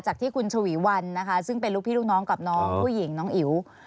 จากที่คุณชวีวันนะคะซึ่งเป็นลูกพี่ลูกน้องกับน้องผู้หญิงน้องอิ๋ว